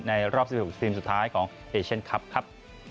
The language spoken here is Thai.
รอบ๑๖ทีมสุดท้ายของเอเชียนคลับครับ